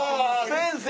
先生！